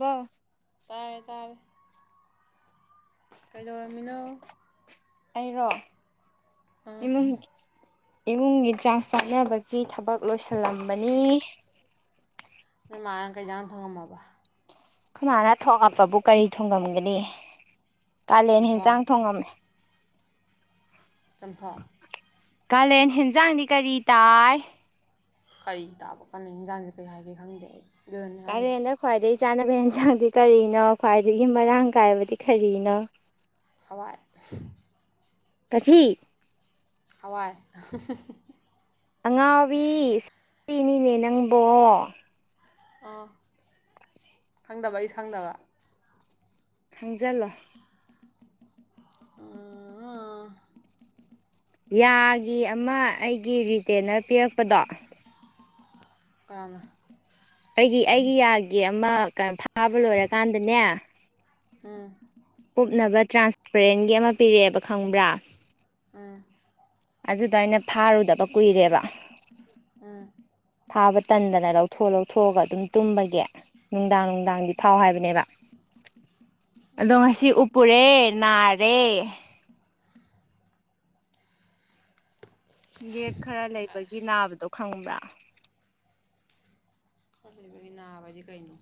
ꯋꯥ ꯇꯔꯦ ꯇꯔꯦ ꯀꯩꯗꯧꯔꯝꯃꯤꯅꯣ ꯑꯩꯔꯣ ꯑꯥ ꯏꯃꯨꯡ ꯏꯃꯨꯡꯒꯤ ꯆꯥꯡ ꯆꯥꯅꯕꯒꯤ ꯊꯕꯛ ꯂꯣꯏꯁꯤꯜꯂꯝꯕꯅꯤ ꯑꯥꯕꯕꯥ ꯁꯃꯥꯏꯅ ꯊꯣꯛꯂꯛꯄꯕꯨ ꯀꯔꯤ ꯊꯨꯡꯉꯝꯒꯅꯤ ꯀꯥꯂꯦꯟ ꯆꯝꯊꯣꯡ ꯍꯦꯟꯖꯥꯡ ꯊꯣꯡꯉꯝꯃꯤ ꯆꯝꯊꯣꯡ ꯀꯥꯂꯦꯟ ꯍꯦꯟꯖꯥꯡꯗꯤ ꯀꯔꯤ ꯇꯥꯏ ꯀꯔꯤ ꯇꯥꯕ [unintelligible] ꯍꯤꯟꯖꯥꯡꯁꯦ ꯀꯔꯤ ꯍꯥꯏꯒꯦ ꯈꯡꯗꯦ ꯑꯩ ꯑꯗꯨꯅꯅꯦ ꯍꯥꯏꯔꯤꯁꯦ ꯀꯥꯂꯦꯟꯗ ꯈꯣꯏꯗꯩꯩ ꯆꯥꯅꯕ ꯌꯦꯟꯁꯥꯡꯗꯤ ꯀꯔꯤꯅꯣ ꯈ꯭ꯋꯥꯏꯗꯒꯤ ꯃꯔꯥꯡ ꯀꯥꯏꯕꯗꯤ ꯀꯔꯤꯅꯣ ꯅꯥꯍꯥꯋꯥꯏ ꯀꯊꯤ ꯍꯋꯥꯏ ꯇꯤꯛꯅꯤꯅꯦ ꯅꯡꯕꯣ ꯑꯥ ꯈꯡꯗꯕ ꯑꯁ ꯈꯡꯗꯕ ꯈꯡꯖꯥꯜꯂꯣ ꯎꯝ ꯌꯥꯒꯤ ꯑꯃ ꯑꯩꯒꯤ ꯔꯤꯇꯦꯅꯔ ꯄꯤꯔꯛꯄꯗꯣ ꯀꯅꯥꯅꯣ ꯑꯩꯒꯤ ꯑꯩꯒꯤ ꯌꯥꯒꯤ ꯑꯃ ꯀꯩꯅꯣ ꯐꯥꯕ ꯂꯣꯏꯔꯀꯥꯟꯗꯅꯦ ꯎꯝ ꯀꯨꯞꯅꯕ ꯇ꯭ꯔꯥꯟꯁꯄꯔꯦꯟꯒꯤ ꯑꯃ ꯄꯤꯔꯛꯑꯦꯕ ꯈꯡꯕ꯭ꯔꯥ ꯎꯝ ꯑꯗꯨꯗꯣ ꯑꯩꯅ ꯐꯥꯔꯨꯗꯕ ꯀꯨꯏꯔꯦꯕ ꯎꯝ ꯐꯥꯕ ꯇꯟꯗꯅ ꯂꯧꯊꯣꯛ ꯂꯧꯊꯣꯛꯑꯒ ꯑꯗꯨꯝ ꯇꯨꯝꯕꯒꯤ ꯅꯨꯡꯗꯥꯡ ꯅꯨꯡꯗꯥꯡꯗꯤ ꯊꯥꯎ ꯍꯥꯏꯕꯅꯦꯕ ꯑꯗꯣ ꯉꯁꯤ ꯎꯞꯄꯔꯦ ꯅꯥꯔꯦ ꯒꯦꯞ ꯈꯔ ꯂꯩꯕꯒꯤ ꯅꯥꯕꯗꯣ ꯈꯡꯕ꯭ꯔꯥ ꯅꯥꯕꯥ ꯍꯥꯢꯗꯤ ꯀꯥꯏꯅꯣ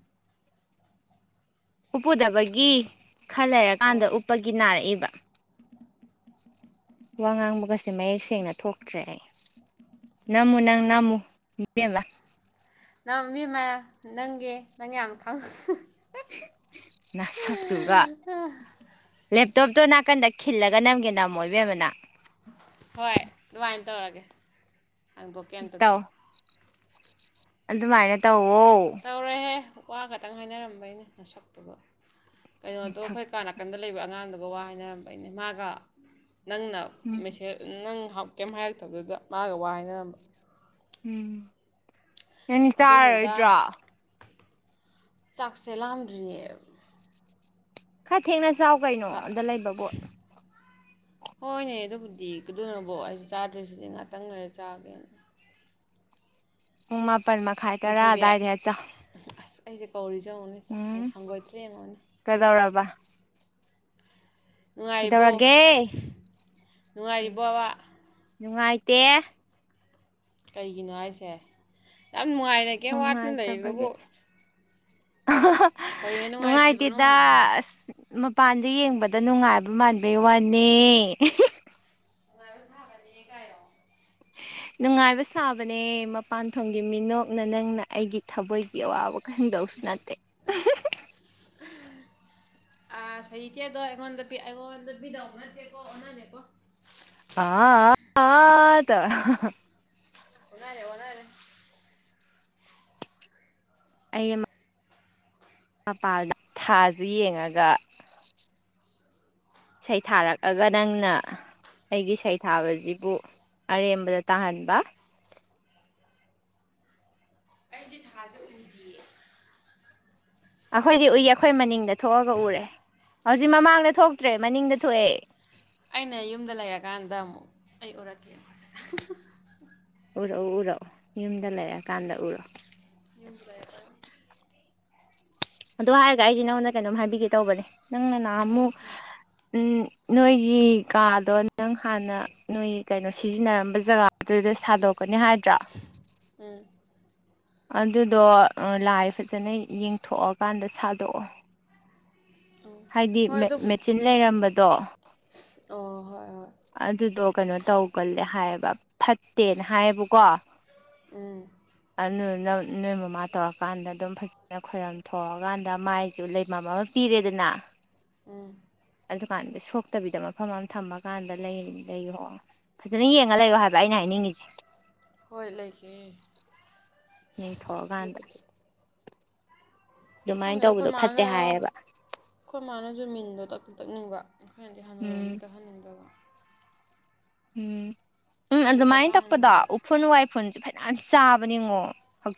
ꯎꯞꯄꯨꯗꯕꯒꯤ ꯈꯔ ꯑꯣ ꯂꯩꯔꯀꯥꯟꯗ ꯎꯞꯄꯒꯤ ꯅꯥꯔꯛꯏꯕ ꯋꯥ ꯉꯥꯡꯕꯒꯁꯦ ꯃꯌꯦꯛ ꯁꯦꯡꯅ ꯊꯣꯛꯇ꯭ꯔꯦ ꯑꯩ ꯅꯝꯃꯨ ꯅꯪ ꯅꯝꯃꯨ ꯏꯕꯦꯃꯥ ꯅꯝꯃꯤ ꯃꯌꯥꯝ ꯅꯡꯒꯤ ꯅꯡ ꯌꯥꯝ ꯈꯉ ꯅꯁꯛꯇꯨꯒ ꯂꯦꯞꯇꯣꯞꯇꯣ ꯅꯥꯀꯟꯗ ꯈꯤꯜꯂꯒ ꯅꯝꯒꯦ ꯅꯝꯃꯣ ꯏꯕꯦꯝ ꯅꯡ ꯍꯣꯏ ꯑꯗꯨꯃꯥꯏꯅ ꯇꯧꯔꯒꯦ ꯍꯡꯗꯣꯛꯀꯦ ꯑꯝꯇꯗꯨꯝ ꯇꯧ ꯑꯗꯨꯃꯥꯏꯅ ꯇꯧ ꯑꯣ ꯋꯥ ꯈꯛꯇꯡ ꯍꯥꯏꯅꯔꯝꯕꯩꯅꯦ ꯅꯥꯁꯛꯇꯨꯒꯥ ꯀꯩꯅꯣꯗꯣ ꯅꯁꯛ ꯑꯩꯈꯣꯏ ꯀꯥꯅ ꯀꯟꯗ ꯂꯩꯕ ꯑꯉꯥꯡꯗꯨꯒ ꯋꯥ ꯍꯥꯏꯅꯔꯝꯕꯩꯅꯤ ꯃꯥꯒ ꯅꯡꯅꯥ ꯎꯝ ꯃꯦꯁꯦ ꯅꯡ ꯊꯣꯝ ꯀꯩꯝ ꯍꯥꯏꯔꯛꯇꯕꯗꯨꯗ ꯃꯥꯒ ꯋꯥ ꯍꯥꯏꯅꯔꯝꯕ ꯎꯝ ꯅꯪꯗꯤ ꯆꯥꯔꯔꯣꯏꯗ꯭ꯔꯣ ꯆꯥꯛꯁꯤ ꯂꯥꯝꯗꯔꯤ ꯌꯦ ꯈꯔ꯭ꯊꯪꯡꯅꯥ ꯆꯥꯎ ꯀꯩꯅꯣ ꯑꯗ ꯂꯩꯕꯕꯨ ꯍꯣꯏꯅꯦ ꯑꯗꯨꯕꯨꯗꯤ ꯀꯗꯨꯅꯕꯨ ꯑꯩꯁꯨ ꯆꯥꯗ꯭ꯔꯤꯁꯤꯗꯤ ꯉꯥꯛꯇꯪ ꯂꯩꯔ ꯆꯥꯒꯦꯅ [unintelligible] ꯃꯥꯄꯜ ꯃꯈꯥꯏ ꯇꯔꯥ ꯅꯝꯊꯣꯏꯕꯤ ꯑꯗꯥꯏꯗ ꯍꯦꯛ ꯇꯧ ꯑꯁ ꯑꯩꯁꯦ ꯀꯧꯔꯤꯁꯦ ꯌꯦꯡꯉꯨꯅꯦ ꯎꯝ ꯍꯪꯒꯣꯏꯇ꯭ꯔꯦ ꯌꯦꯡꯉꯨꯅꯦ ꯀꯗꯧꯕꯥ [inaudible] ꯅꯨꯡꯉꯥꯏꯔꯤꯕꯣ ꯀꯩꯗꯧꯔꯒꯦ ꯅꯨꯡꯉꯥꯏꯔꯤꯕꯣꯕ꯫ ꯄꯦ ꯀꯩꯒꯤꯅꯣ ꯍꯥꯏꯁꯦ꯫ ꯌꯥꯝ ꯅꯨꯡꯉꯥꯏꯅ ꯀꯩ ꯋꯥꯠꯅ ꯂꯩ ꯑꯗꯨꯕꯨ ꯑꯍꯥ ꯑꯍꯥ ꯅꯨꯡꯉꯥꯏꯇ꯭ꯔꯤꯕꯅꯣ ꯅꯨꯡꯉꯥꯏꯇꯦꯗ ꯑꯁ ꯃꯄꯥꯟꯗ ꯌꯦꯡꯕꯗ ꯅꯨꯡꯉꯥꯏꯕ ꯃꯥꯟꯕꯩ ꯋꯥꯅꯦ ꯑꯤꯍꯤ ꯑꯗꯨ ꯁꯕꯅꯤꯒꯑꯣ [inaudible] ꯅꯨꯡꯉꯥꯏꯕ ꯁꯥꯕꯅꯦ ꯃꯄꯥꯟ ꯊꯣꯡꯒꯤ ꯃꯤꯅꯣꯛꯅ ꯅꯪꯅ ꯑꯩꯒꯤ ꯊꯕꯣꯏꯒꯤ ꯑꯋꯥꯕ ꯈꯪꯗꯧꯁꯨ ꯅꯠꯇꯦ꯫ ꯑ ꯁꯍꯤ ꯀꯦꯗꯣ ꯑꯩꯉꯣꯟꯗ ꯑꯩꯉꯣꯟꯗ ꯄꯗ ꯑꯣꯅꯗꯦꯀꯣ ꯑꯣꯟꯅꯅꯦꯀꯣ ꯑꯥ ꯇ ꯑꯣꯗꯔꯦ ꯑꯣꯗꯔꯦ ꯑꯌꯦ ꯑꯃ ꯃꯄꯥꯥꯟ ꯊꯥꯁ ꯌꯦꯡꯂꯒꯥ ꯁꯩꯊꯥꯔꯛꯑꯒ ꯅꯪꯅ ꯑꯩꯒꯤ ꯁꯩꯊꯥꯕꯁꯤꯕꯨ ꯑꯔꯦꯝꯕꯗ ꯇꯥꯍꯟꯕ꯫ ꯊꯥꯖ ꯎꯗꯤ ꯑꯩꯈꯣꯏꯗꯤ ꯎꯏꯌꯦ ꯑꯩꯈꯣꯏ ꯃꯅꯤꯡꯗ ꯊꯣꯛꯑꯒ ꯎꯔꯦ ꯍꯧꯖꯤꯛ ꯃꯃꯥꯡꯗ ꯊꯣꯛꯇ꯭ꯔꯦ ꯃꯅꯤꯡꯗ ꯊꯛꯔꯦ ꯑꯩꯅ ꯌꯨꯝꯗ ꯂꯩꯔꯛ ꯀꯥꯟꯗ ꯑꯃꯨꯛ ꯑꯩ ꯎꯔꯛꯀꯦ ꯎꯔꯛꯎ ꯎꯔꯛꯎ ꯌꯨꯝꯗ ꯂꯩꯔꯛꯑꯀꯥꯟꯗ ꯎꯛꯀꯦ ꯌꯨꯝ ꯂꯩꯔꯀꯟꯗꯥ ꯑꯗꯣ ꯍꯥꯏꯔꯒ ꯑꯩꯁꯦ ꯅꯪꯉꯣꯟꯗ ꯀꯩꯅꯣꯝ ꯍꯥꯏꯕꯤꯒꯦ ꯇꯧꯕꯅꯦ꯫ ꯅꯪꯃꯨ ꯎꯝ ꯅꯣꯏꯒꯤ ꯀꯥꯗꯣ ꯅꯪ ꯍꯥꯟꯅ ꯅꯣꯏ ꯀꯩꯅꯣ ꯁꯤꯖꯤꯟꯅꯔꯝꯕ ꯖꯒꯥꯗꯨꯗ ꯁꯥꯗꯣꯛꯀꯅꯤ ꯍꯥꯏꯕꯗꯣ ꯎꯨꯝ ꯑꯗꯨꯗꯣ ꯂꯥꯏ ꯐꯖꯅ ꯌꯦꯡꯊꯣꯛꯑꯀꯥꯟꯗ ꯁꯥꯗꯣꯛꯑꯣ꯫ ꯍꯥꯏꯗꯤ ꯍꯣꯏ ꯑꯗꯨꯕꯨꯗꯤ ꯃꯦꯆꯤꯟ ꯂꯩꯔꯝꯕꯗꯣ꯫ ꯑꯣ ꯍꯣꯏ ꯍꯣꯏ ꯑꯗꯨꯗꯣ ꯀꯩꯅꯣ ꯇꯧꯒꯜꯂꯦ ꯍꯥꯏꯌꯦꯕꯥ ꯐꯠꯇꯦꯅ ꯍꯥꯏꯌꯦꯕꯀꯣ ꯎꯝ ꯑꯥꯅꯨ ꯑꯗꯨ ꯅꯣꯏ ꯃꯃꯥ ꯇꯧꯔꯀꯥꯟꯗ ꯑꯗꯨꯝ ꯐꯖꯅ ꯈꯣꯏꯔꯝ ꯊꯣꯛꯀꯥꯟꯗ ꯃꯥꯏꯁꯨ ꯂꯩꯃꯝ ꯑꯃ ꯄꯤꯔꯦꯗꯅ ꯎꯝ ꯗꯨꯀꯥꯟꯗ ꯁꯣꯛꯇꯕꯤꯗ ꯃꯐꯝ ꯑꯃ ꯊꯝꯃꯒ ꯗꯨꯀꯥꯟꯗ ꯂꯩ ꯂꯩꯌꯣ ꯍꯣ ꯐꯖꯅ ꯌꯦꯡꯉ ꯂꯩꯌꯣ ꯍꯥꯏꯕ ꯑꯩꯅ ꯍꯥꯏꯅꯤꯡꯉꯤꯁꯦ ꯍꯣꯏ ꯂꯩꯈꯤ ꯌꯦꯡꯊꯣꯛꯑꯀꯥꯟꯗ꯫ ꯑꯗꯨꯃꯥꯏꯅ ꯈꯪꯉꯦ ꯑꯩꯈꯣꯏ ꯇꯧꯕꯗꯣ ꯃꯅ ꯐꯠꯇꯦ ꯍꯥꯏꯌꯦꯕ ꯑꯩꯈꯣꯏ ꯃꯥꯅꯁꯨ ꯃꯤꯟꯗꯣ ꯇꯛꯇꯤ ꯇꯛꯅꯤꯡꯕ꯫ ꯑꯩꯈꯣꯏꯅꯗꯤ ꯎꯝ ꯍꯅꯨꯔꯝꯅꯤꯅ ꯇꯛꯍꯟꯅꯤꯡꯗꯕ ꯎꯝ ꯎꯝ ꯑꯩꯈꯣꯏꯅꯗꯤ ꯑꯗꯨꯃꯥꯏꯅ ꯇꯛꯄꯗꯣ ꯄꯣꯊꯥꯍꯟꯅꯤꯡꯉꯕ ꯎꯐꯣꯟ ꯋꯥꯏ ꯐꯨꯟꯁꯨ ꯐꯠ ꯌꯥꯝ ꯆꯥꯕꯅꯤꯉꯣ ꯍꯧ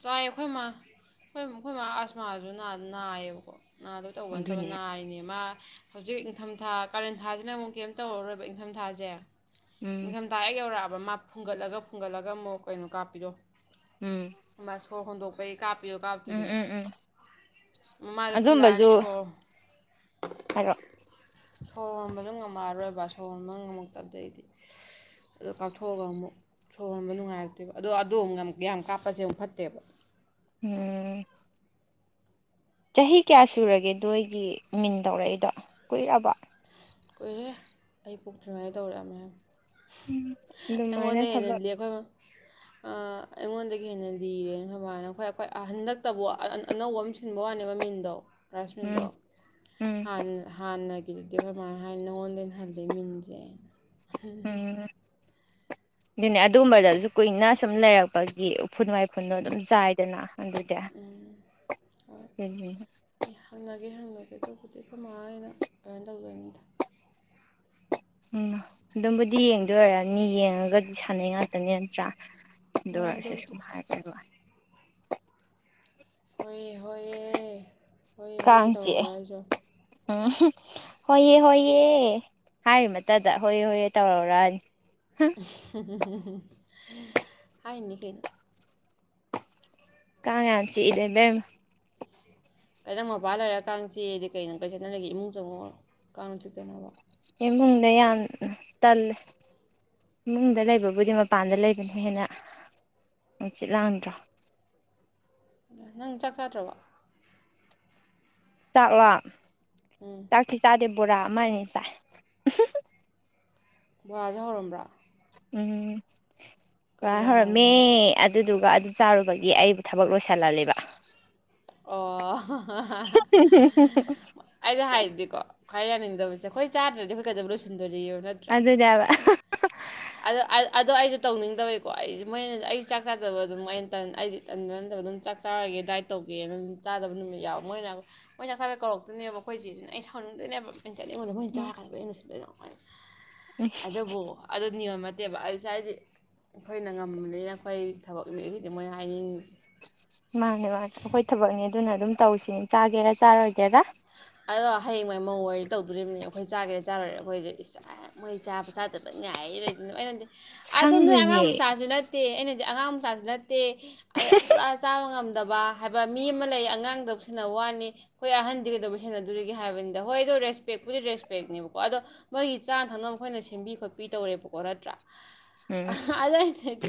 ꯆꯥꯏ ꯑꯩꯈꯣꯏ ꯃꯥ ꯑꯩꯈꯣꯏ ꯑꯩꯈꯣꯏ ꯃꯥ ꯑꯁ ꯃꯥꯖꯨ ꯅꯥꯗ ꯅꯥꯏꯌꯦꯕꯀꯣ ꯅꯥꯗꯕ ꯇꯧꯕ ꯅꯠꯇꯕ ꯑꯗꯨꯅꯦ ꯅꯥꯔꯤꯅꯦ ꯃꯥ ꯍꯧꯖꯤꯛ ꯏꯪꯊꯝꯊꯥ ꯀꯥꯔꯦꯟ ꯊꯥꯁꯤꯅ ꯑꯃꯨꯛ ꯀꯩꯝ ꯇꯧꯔꯔꯣꯏꯕ ꯏꯪꯊꯝꯊꯥꯁꯦ ꯎꯝ ꯅꯤꯡꯊꯝꯊꯥ ꯍꯦꯛ ꯌꯧꯔꯛꯑꯕ ꯑꯕ ꯃꯥ ꯐꯨꯡꯒꯠꯂꯒ ꯐꯨꯡꯒꯠꯂꯒ ꯑꯃꯨꯛ ꯀꯩꯅꯣ ꯀꯥꯞꯄꯤꯗꯣ ꯎꯝ ꯃꯥ ꯁꯣꯔ ꯍꯣꯟꯗꯣꯛꯄꯩ ꯀꯥꯞꯄꯤꯌꯣ ꯀꯥꯞꯇꯣꯏꯅꯦ ꯎꯝ ꯎꯝ ꯎꯝ ꯃꯥꯗꯤ ꯐꯨꯜꯂꯛꯑꯅꯤ ꯑꯗꯨꯝꯕꯁꯨ ꯁꯣꯔ ꯍꯥꯏꯔꯣ ꯁꯣꯔ ꯍꯣꯟꯕꯁꯨ ꯉꯝꯃꯛꯑꯔꯣꯏꯕ ꯁꯣꯔ ꯍꯣꯟꯕ ꯉꯝꯃꯛꯇꯕꯗꯩꯗꯤ ꯑꯗꯣ ꯀꯥꯞꯊꯣꯛꯑꯒ ꯑꯃꯨꯛ ꯁꯣꯍꯣꯟꯕ ꯅꯨꯡꯉꯥꯏꯔꯛꯇ꯭ꯔꯤꯕ ꯑꯗꯣ ꯑꯗꯨ ꯌꯥꯝ ꯀꯥꯞ ꯐꯖꯦꯡ ꯐꯠꯇꯦꯕ꯫ ꯎꯝ ꯆꯍꯤ ꯀꯌꯥ ꯁꯨꯔꯒꯦꯗꯣ ꯑꯩꯒꯤ ꯃꯤꯟ ꯇꯧꯔꯛꯏꯗꯣ ꯀꯨꯏꯔꯕꯣ ꯀꯨꯏꯔꯦ ꯑꯩ ꯄꯣꯛꯇ꯭ꯔꯤꯉꯩꯗ ꯇꯧꯔꯛꯑꯝꯃꯦ ꯍꯥꯏꯕ꯫ ꯎꯝ ꯑꯩꯉꯣꯟꯗ ꯑꯗꯨꯃꯥꯏꯅ ꯊꯕꯛ ꯍꯦꯟꯅꯜꯂꯤ ꯑꯩꯈꯣꯏ ꯑꯥ ꯑꯩꯉꯣꯟꯗꯒꯤ ꯍꯦꯟꯅ ꯂꯤꯔꯦ ꯁꯨꯃꯥꯏꯅ ꯑꯩꯈꯣꯏ-ꯑꯩꯈꯣꯏ ꯍꯟꯗꯛꯇꯕꯨ ꯑꯅꯧꯕ ꯑꯃ ꯁꯤꯟꯕ ꯋꯥꯅꯦ ꯃꯤꯟꯗꯣ꯫ ꯔꯥꯏꯁ ꯎꯝ ꯃꯤꯜꯗꯣ ꯎꯝ ꯍꯥꯟ ꯍꯥꯟꯅꯒꯤ [inaudible] [unintelligible] ꯀꯃꯥꯏꯅ ꯍꯥꯏꯅꯤ ꯅꯉꯣꯟꯗꯩ ꯍꯜꯂꯦ ꯃꯤꯟꯁꯦ꯫ ꯍꯝ ꯎꯝ ꯑꯗꯨꯅꯦ ꯑꯗꯨꯝꯕꯗꯁꯨ ꯀꯨꯏꯅ ꯁꯨꯝ ꯂꯩꯔꯛꯄꯒꯤ ꯎꯐꯨꯟ ꯋꯥꯏꯐꯨꯟꯗꯣ ꯑꯗꯨꯝ ꯆꯥꯏꯗꯅ꯫ ꯑꯗꯨꯗ ꯍꯣꯏ [unintelligible] ꯑꯦ ꯑꯇꯣꯞꯄꯗꯤ ꯑꯩꯈꯣꯏ ꯍꯣꯏꯅ ꯀꯩꯅꯣ ꯇꯧꯖꯅꯤꯗ ꯎꯝ ꯑꯗꯨꯕꯨꯗꯤ ꯌꯦꯡꯗꯣꯏ ꯑꫭꯏꯅꯤ ꯌꯦꯡꯑꯒ ꯁꯥꯟꯅꯩ ꯉꯥꯛꯇꯅꯦ ꯅꯠꯇ꯭ꯔꯥ ꯑꯗꯨ ꯃꯥꯅꯦ ꯑꯣꯏꯔꯁꯨ ꯑꯗꯨꯕꯨꯗꯤ ꯁꯨꯝ ꯍꯥꯏꯔꯒ ꯂꯣꯏ ꯍꯣꯏꯌꯦ ꯍꯣꯏꯌꯦ ꯍꯣꯏꯌꯦ ꯍꯣꯏꯌꯦ ꯀꯥꯡ ꯆꯤꯛꯑꯦ ꯇꯧꯔꯣꯔ ꯑꯩꯁꯨ ꯎꯝ ꯍꯣꯏꯌꯦ-ꯍꯣꯏꯌꯦ ꯍꯥꯏꯔꯤꯃꯇꯗ ꯍꯣꯏꯌꯦ ꯍꯣꯏꯌꯦ ꯇꯧꯔꯛꯎꯔꯌꯦ꯫ [inaudible] [unintelligible] ꯍꯥꯏꯅꯤ ꯀꯩꯅꯣ꯫ ꯀꯥꯡ ꯌꯥꯝ ꯆꯤꯛꯢꯗ ꯏꯕꯦꯝꯃ꯫ ꯀꯩꯅꯣ ꯅꯪ ꯃꯄꯥ ꯂꯩꯔ ꯀꯥꯡ ꯆꯤꯛꯑꯦꯗꯤ ꯀꯩꯅꯣ ꯀꯩ ꯆꯥꯟꯅꯔꯤꯒꯦ ꯏꯃꯨꯡ ꯆꯪꯉꯛꯑꯣ ꯀꯥꯡ ꯆꯤꯛꯇꯅꯕ ꯏꯃꯨꯡꯗ ꯌꯥꯝ ꯇꯜꯂꯦ ꯏꯃꯨꯡꯗ ꯂꯩꯕꯕꯨꯗꯤ ꯃꯄꯥꯟꯗ ꯂꯩꯕꯅ ꯍꯦꯟꯅ ꯅꯨꯡꯆꯤꯠ ꯂꯥꯡꯗ꯭ꯔꯣ ꯅꯪ ꯆꯥꯛ ꯆꯥꯗ꯭ꯔꯕꯣ ꯆꯥꯛꯂꯣ ꯎꯝ ꯆꯥꯛꯇꯤ ꯆꯥꯗꯦ ꯕꯣꯔꯥ ꯑꯃ ꯑꯅꯤ ꯆꯥꯏ ꯕꯣꯔꯥꯗꯤ ꯍꯥꯎꯔꯝꯕ꯭ꯔꯣ ꯎꯝ ꯕꯣꯔꯥ ꯍꯧꯔꯝꯃꯦ ꯑꯗꯨꯗꯨꯒ ꯑꯗꯨꯝ ꯆꯥꯔꯨꯕꯒꯤ ꯑꯩꯕꯨ ꯊꯕꯛ ꯂꯣꯏꯁꯤꯜꯍꯜꯂꯤꯕ ꯑꯣ ꯑꯩꯅ ꯍꯥꯏꯗꯤꯀꯣ ꯈ꯭ꯋꯥꯏ ꯌꯥꯅꯤꯡꯗꯕꯁꯦ ꯈꯣꯏ ꯆꯥꯗ꯭ꯔꯗꯤ ꯈꯣꯏ ꯀꯩꯗꯧꯕꯩ ꯂꯣꯏꯁꯤꯟ ꯅꯠꯇ꯭ꯔꯥ ꯑꯗꯨꯅꯦꯕ ꯑꯗꯨ ꯑꯗꯣ ꯑꯩꯁꯨ ꯇꯧꯅꯤꯡꯗꯕꯒꯤꯀꯣ ꯑꯩꯁꯦ ꯃꯣꯏꯅ ꯑꯩ ꯆꯥꯛ ꯆꯥꯗꯕ ꯑꯗꯨꯝ ꯑꯩꯅ ꯑꯩꯁꯦ ꯇꯟ ꯅꯟꯗꯕ ꯑꯗꯨꯝ ꯆꯥꯛ ꯆꯥꯔꯒꯦ ꯗꯥꯏꯠ ꯇꯧꯕ ꯀꯦꯝ ꯑꯗꯨꯝ ꯆꯥꯗꯕ ꯅꯨꯃꯤꯠ ꯌꯥꯎꯕ ꯃꯣꯏꯅ ꯃꯣꯏ ꯆꯥꯛ ꯆꯥꯕꯩ ꯀꯧꯔꯛꯇꯣꯏꯅꯦꯕ ꯑꯩꯈꯣꯏ ꯆꯦꯁꯤꯅ ꯑꯩ ꯁꯥꯎꯅꯤꯡꯗꯣꯏꯅꯦꯕ ꯑꯩꯅ ꯆꯠꯅꯤꯡꯉꯨꯅꯨ ꯃꯣꯏꯅ ꯎꯝ ꯆꯥꯔꯒ ꯑꯩꯅ ꯀꯩꯗꯧ ꯂꯣꯏꯁꯟꯗꯣꯏꯅꯣ ꯍꯣꯏ ꯑꯗꯨꯕꯨ ꯑꯗꯨ ꯅꯤꯌꯣꯝ ꯅꯠꯇꯦꯕ ꯑꯩꯁꯦ ꯍꯥꯏꯗꯤ ꯑꯩꯈꯣꯏꯅ ꯉꯝꯃꯅꯤꯅ ꯑꯩꯈꯣꯏ ꯊꯕꯛꯅꯤꯒꯤꯗꯤ ꯃꯣꯏ ꯍꯥꯏꯅꯤꯡꯉꯤꯁꯦ ꯃꯥꯅꯦ ꯃꯥꯅꯦ ꯑꯩꯈꯣꯏ ꯊꯕꯛꯅꯦ ꯑꯗꯨꯅ ꯑꯗꯨꯝ ꯇꯧꯁꯤꯅꯦ ꯆꯥꯒꯦꯔꯥ ꯆꯥꯔꯣꯏꯒꯦꯔꯥ ꯑꯗꯣ ꯍꯌꯦꯡꯋꯥꯏ ꯃꯧ ꯇꯧꯗꯣꯔꯤꯕꯅꯤ ꯑꯩꯈꯣꯏ ꯆꯥꯒꯦ ꯆꯥꯔꯣꯏꯔ ꯏꯁ ꯑ ꯃꯣꯏ ꯆꯥꯕ ꯆꯥꯗꯕ ꯉꯥꯏꯔꯣꯏꯗ ꯑꯩꯅ ꯍꯥꯏꯗꯤ ꯑꯗꯣ ꯅꯣꯏ ꯑꯉꯥꯡ ꯁꯪꯗꯣꯏꯅꯦ ꯃꯆꯥꯁꯨ ꯅꯠꯇꯦ ꯑꯩꯅ ꯑꯉꯥꯡ ꯃꯆꯥꯁꯨ ꯅꯠꯇꯦ ꯇꯦ ꯑꯩ ꯄꯨꯔꯥ ꯆꯥꯕ ꯉꯝ ꯍꯥꯏꯕ ꯃꯤ ꯑꯃ ꯂꯩ ꯑꯉꯥꯡꯗ ꯁꯦꯟꯅꯧ ꯋꯥꯅꯤ ꯈꯣꯏ ꯑꯍꯟꯗꯤ ꯀꯩꯗꯧꯕꯩ ꯁꯦꯟꯅꯗꯧꯔꯤꯒꯦ ꯍꯥꯏꯕꯅꯤꯗ ꯍꯣꯏ ꯑꯗꯣ ꯔꯦꯁꯄꯦꯛꯄꯨꯗꯤ ꯔꯦꯁꯄꯦꯛꯅꯦꯕꯀꯣ ꯑꯗꯣ ꯃꯣꯏꯒꯤ ꯆꯥꯅ ꯊꯛꯅꯕ ꯑꯩꯈꯣꯏꯅ ꯁꯦꯝꯕꯤ ꯈꯣꯠꯄꯤ ꯇꯧꯔꯦꯕꯀꯣ ꯅꯠꯇ꯭ꯔꯥ ꯎꯝ ꯑꯗꯩ ꯍꯥꯏꯗꯤ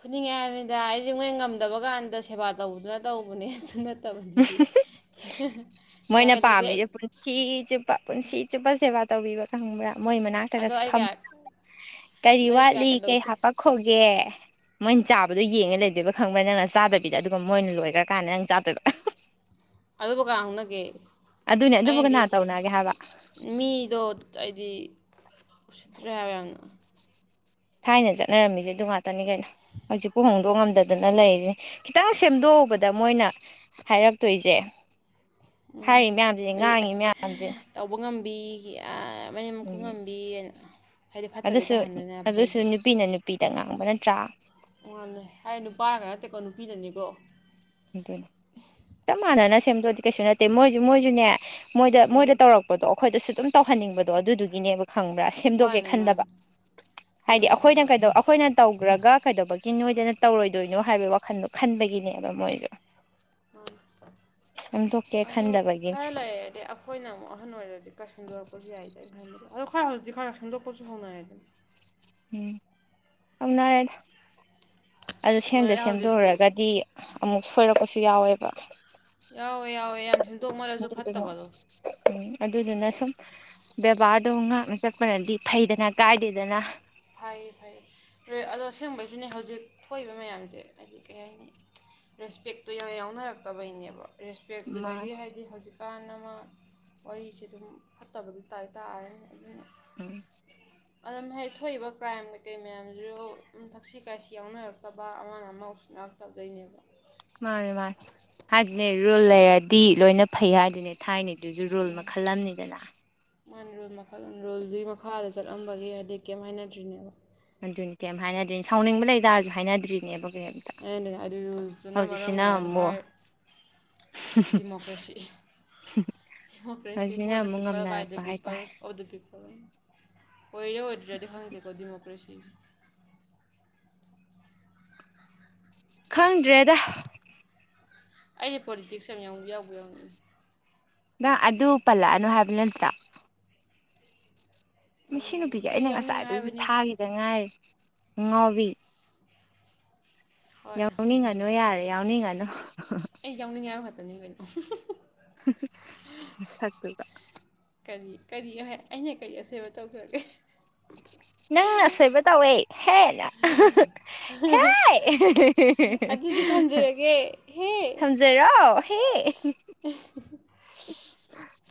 ꯐꯨꯅꯤꯡꯉꯥꯏꯃꯤꯗꯥ ꯍꯥꯏꯗꯤ ꯃꯣꯏ ꯉꯝꯗꯕ ꯀꯥꯟꯗ ꯁꯦꯕꯥ ꯇꯧꯕꯗꯨꯅ ꯇꯧꯕꯅꯦ ꯑꯗꯨ ꯅꯠꯇꯕ ꯑꯗꯨꯗꯤ [unintelligible] ꯃꯣꯏꯅ ꯄꯥꯝꯃꯤꯁꯦ ꯄꯨꯟꯁꯤ ꯆꯨꯞꯄ ꯄꯨꯟꯁꯤ ꯆꯨꯞꯄ ꯁꯦꯕꯥ ꯇꯧꯕꯤꯕ ꯈꯪꯕ꯭ꯔꯥ ꯃꯣꯏ ꯑꯗꯣ ꯃꯅꯥꯛꯇꯒꯁꯨ ꯑꯩ ꯐꯝ ꯀꯌꯥ ꯀꯔꯤ ꯑꯗꯣ ꯑꯩ ꯀꯌꯥ ꯋꯥꯠꯂꯤ ꯀꯩ ꯀꯩꯗꯧꯗꯦ ꯍꯥꯄꯛꯈꯣꯒꯦ ꯃꯣꯏꯅ ꯆꯥꯕꯗꯣ ꯌꯦꯡꯉꯦ ꯂꯩꯗꯣꯏꯕ ꯈꯪꯕ꯭ꯔꯥ ꯅꯪꯅ ꯆꯥꯗꯕꯤꯗ ꯑꯗꯨꯒ ꯃꯣꯏꯅ ꯂꯣꯏꯈ꯭ꯔꯀꯥꯟꯗ ꯅꯪ ꯆꯥꯗꯣꯏꯕ ꯑꯗꯨꯕꯨ ꯀꯅꯥꯟ ꯍꯧꯅꯒꯦ ꯑꯗꯨꯅꯦ ꯑꯗꯨꯕꯨ ꯑꯩꯅꯗꯤ ꯀꯅꯥ ꯇꯧꯅꯒꯦ ꯍꯥꯏꯕ ꯇꯑꯩꯗꯤ ꯎꯁꯤꯠꯇ꯭ꯔꯦ ꯍꯥꯏꯕ ꯌꯥꯝꯅ ꯊꯥꯏꯅ ꯆꯠꯅꯔꯝꯃꯤꯁꯦ ꯗꯨ ꯉꯥꯛꯇꯅꯤ ꯀꯩꯅꯣ ꯍꯧꯖꯤꯛꯄꯨ ꯍꯣꯡꯗꯣꯛ ꯉꯝꯗꯗꯅ ꯂꯩꯔꯤ ꯈꯤꯇꯪ ꯁꯦꯝꯗꯣꯛꯎꯕꯗ ꯃꯣꯏꯅ ꯍꯥꯏꯔꯛꯇꯣꯏꯁꯦ ꯎꯝ ꯍꯥꯏꯔꯤ ꯃꯌꯥꯝꯁꯦ ꯑꯩ ꯉꯥꯡꯉꯤ ꯑꯁ ꯃꯌꯥꯝꯁꯦ ꯇꯧꯕ ꯉꯝ ꯕꯤ ꯃꯅꯦꯝ ꯃꯈꯨ ꯎꯝ ꯉꯝꯕꯤꯑꯅ ꯍꯥꯏꯗꯤ ꯐꯠꯇꯕꯤ ꯑꯗꯨꯁꯨ ꯇꯥꯍꯟꯗꯣꯏꯅꯦꯕ ꯑꯗꯨꯁꯨ ꯑꯩꯈꯣꯏꯁꯦ ꯅꯨꯄꯤꯅ ꯅꯨꯄꯤꯗ ꯉꯥꯡꯕ ꯅꯠꯇ꯭ꯔꯥ ꯃꯥꯅꯦ ꯍꯥꯏ ꯅꯨꯄꯥꯒ ꯅꯠꯇꯦꯀꯣ ꯅꯨꯄꯤꯅꯅꯤꯀꯣ ꯑꯗꯨꯅꯦ ꯆꯞ ꯃꯥꯟꯅꯅ ꯁꯦꯝꯗꯣꯛꯑꯗꯤ ꯀꯩꯁꯨ ꯅꯠꯇꯦ ꯃꯣꯏꯁꯨ ꯃꯣꯏꯁꯨꯅꯦ ꯃꯣꯏꯗ ꯃꯣꯏꯗ ꯎꯝ ꯇꯧꯔꯛꯄꯗꯣ ꯑꯩꯈꯣꯏꯗꯁꯨ ꯑꯗꯨꯝ ꯇꯧꯍꯟꯅꯤꯡꯕꯗꯣ ꯑꯗꯨꯗꯨꯒꯤꯅꯦꯕ ꯈꯪꯕ꯭ꯔꯥ ꯁꯦꯝꯗꯣꯛꯀꯦ ꯃꯥꯅꯦ ꯃꯥꯅꯦ ꯈꯟꯗꯕ ꯍꯥꯏꯗꯤ ꯑꯗꯨꯒꯤ ꯑꯩꯈꯣꯏꯅ ꯈꯟꯗꯕ ꯀꯩꯗꯧ ꯑꯩꯈꯣꯏꯅ ꯇꯧꯈ꯭ꯔꯒ ꯀꯩꯗꯧꯕ ꯁꯤ ꯅꯣꯏꯗꯅ ꯇꯧꯔꯣꯏꯗꯣꯏꯅꯣ ꯍꯥꯏꯕꯩ ꯋꯥꯈꯟꯗꯣ ꯈꯟꯕꯒꯤꯅꯦꯕ ꯃꯣꯏ [unintelligible] ꯁꯦꯝꯗꯣꯛꯀꯦ ꯎꯝ ꯑꯗꯣ ꯈꯟꯗꯕꯒꯤꯅꯤ ꯈꯔ ꯂꯩꯔꯗꯤ ꯑꯩꯈꯣꯏꯅ ꯑꯃꯨꯛ ꯑꯍꯟ ꯑꯣꯏꯔꯗꯤ ꯀꯥꯏꯁꯟꯗꯣꯔꯛꯄꯁꯨ ꯌꯥꯏ꯭ꯗꯅ ꯈꯜꯂꯤꯕ ꯑꯗꯣ ꯑꯩꯈꯣꯏ ꯍꯧꯖꯤꯛꯇꯤ ꯈꯔ ꯁꯦꯝꯗꯣꯛꯄꯁꯨ ꯍꯧꯅꯔꯦꯗ ꯎꯝ [inaudible] ꯑꯗꯨ ꯁꯦꯝꯗ ꯍꯧꯅꯔꯦ ꯍꯧꯖꯤꯛꯇꯤ ꯁꯦꯝꯗꯣꯛꯎꯔꯒꯗꯤ ꯑꯃꯨꯛ ꯁꯣꯏꯔꯛꯄꯁꯨ ꯌꯥꯎꯋꯦꯕ ꯌꯥꯎꯋꯦ ꯌꯥꯎꯋꯦ ꯌꯥꯝ [unintelligible] ꯐꯠꯇꯕꯗꯣ ꯎꯝ ꯑꯗꯨꯗꯨꯅ ꯁꯨꯝ ꯕꯦꯕꯥꯔꯗꯣ ꯉꯥꯛꯅ ꯆꯠꯄꯅꯗꯤ ꯐꯩꯗꯅ ꯀꯥꯏꯗꯦꯗꯅ ꯐꯩꯌꯦ ꯐꯩꯌꯦ ꯑꯗꯣꯁꯦꯡꯕꯩꯁꯨꯅꯦ ꯍꯧꯖꯤꯛ ꯊꯣꯛꯏꯕ ꯃꯌꯥꯝꯁꯦ ꯍꯥꯏꯗꯤ ꯀꯩ ꯍꯥꯏꯅꯤ ꯔꯦꯁꯄꯦꯛꯇꯣ ꯏꯌꯥꯎ ꯌꯥꯎꯅꯔꯛꯇꯕꯩꯅꯦꯕ ꯃꯥ ꯔꯦꯁꯄꯦꯛꯇꯨꯗꯒꯤ ꯍꯥꯏꯗꯤ ꯍꯧꯖꯤꯛ ꯀꯥꯟꯅꯕ ꯋꯥꯔꯤꯁꯦ ꯑꯗꯨꯝ ꯐꯠꯇꯕꯗꯨ ꯇꯥꯏꯇꯥꯔꯦ ꯑꯗꯨꯅ ꯎꯝ ꯑꯗꯨꯝ ꯍꯦꯛ ꯊꯣꯛꯏꯕ ꯀ꯭ꯔꯥꯏꯝ ꯃꯀꯩ ꯃꯌꯥꯝꯁꯤꯁꯨ ꯎꯝ ꯊꯛꯁꯤ ꯈꯥꯏꯁꯤ ꯌꯥꯎꯅꯔꯛꯇꯕ ꯑꯃꯅ ꯑꯃ ꯎꯁꯤꯅꯔꯛꯇꯕꯗꯩꯅꯦꯕ ꯃꯥꯅꯦ ꯃꯥꯅꯤ ꯍꯥꯏꯗꯤꯅꯦ ꯔꯨꯜ ꯂꯩꯔꯗꯤ ꯂꯣꯏꯅ ꯐꯩ ꯍꯥꯏꯗꯨꯅꯦ ꯊꯥꯏꯅꯩꯗꯨꯁꯨ ꯔꯨꯜ ꯃꯈꯜ ꯑꯝꯅꯤꯗꯅ ꯃꯥꯄꯤ ꯔꯨꯜ ꯃꯈꯜ ꯔꯨꯜꯗꯨꯒꯤ ꯃꯈꯥꯗ ꯆꯠꯂꯝꯕꯒꯤ ꯍꯥꯏꯗꯤ ꯀꯦꯝ ꯍꯥꯏꯅꯗ꯭ꯔꯤꯅꯦꯕ ꯗꯨꯅꯤ ꯀꯩꯝ ꯍꯥꯏꯅꯗ꯭ꯔꯤꯅꯦ ꯁꯥꯎꯅꯤꯡꯕ ꯂꯩ ꯇꯥꯔꯁꯨ ꯍꯥꯏꯅꯗ꯭ꯔꯤꯅꯦꯕ ꯀꯩꯝꯇ ꯑꯩꯅ ꯑꯗꯨ ꯔꯨꯜꯁꯇꯨꯅ ꯃꯔꯝ ꯍꯧꯖꯤꯛꯁꯤꯅ ꯑꯣꯏꯔꯒ ꯑꯃꯨꯛ ꯍꯥꯏ ꯗꯤꯃꯣꯀ꯭ꯔꯦꯁꯤ ꯗꯤꯃꯣꯀ꯭ꯔꯦꯁꯤ ꯍꯧꯖꯤꯛꯁꯤꯅ ꯐꯣꯔ ꯗ ꯑꯃꯨꯛ ꯄꯤꯄꯜ ꯕꯥꯏ ꯗ ꯉꯝꯅꯔꯛꯄ ꯄꯤꯄꯜ ꯍꯥꯏꯇꯥꯔꯦ ꯑꯣꯐ ꯗ ꯄꯤꯄꯜ ꯑꯣꯏꯔ ꯑꯣꯏꯗꯔꯤꯔꯗꯤ ꯈꯪꯉꯗꯀꯣ ꯗꯤꯃꯣꯀꯔꯦꯁꯤ ꯈꯪꯗ꯭ꯔꯦꯗ ꯑꯩꯗꯤ ꯄꯣꯂꯤꯇꯤꯛꯁ ꯌꯥꯝ ꯌꯥꯎꯅꯤ ꯌꯥꯎꯕꯨ ꯌꯥꯎꯅꯤꯡꯏ ꯅꯪ ꯑꯗꯨ ꯄꯜꯂꯛꯑꯅꯨ ꯍꯥꯏꯕ ꯅꯠꯇ꯭ꯔ ꯃꯤꯁꯤ ꯎꯝ ꯅꯨꯄꯤꯁꯦ ꯍꯥꯏꯗꯤ ꯑꯩꯅ ꯌꯥꯎꯅꯤꯡꯉꯦ ꯉꯁꯥꯏꯗꯖꯨ ꯍꯥꯏꯕꯅꯤ ꯊꯥꯈꯤꯗ ꯉꯥꯏ ꯉꯥꯎꯕꯤ ꯍꯣꯏ ꯌꯥꯎꯅꯤꯡꯉꯅꯨ ꯌꯥꯔꯦ ꯌꯥꯎꯅꯤꯡꯉ ꯑ [unintelligible] ꯑꯩ ꯌꯧꯅꯤꯡꯉꯦ ꯍꯥꯏꯕ ꯈꯛꯇꯅꯦ [unintelligible] ꯅꯁꯛꯇꯨꯒ ꯀꯔꯤ ꯀꯔꯤ ꯍꯥꯏ ꯑꯩꯅ ꯀꯔꯤ ꯑꯁꯣꯏꯕ ꯇꯧꯈ꯭ꯔꯒꯦ ꯅꯪ ꯑꯁꯣꯏꯕ ꯇꯧꯋꯦ ꯍꯦꯅ ꯍꯦ ꯑꯗꯨꯗꯤ ꯊꯝꯖꯔꯒꯦ ꯍꯦ ꯊꯝꯖꯔꯣ ꯍꯦ [inaudible]